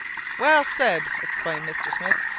"Well said!" exclaimed Mr. Smith.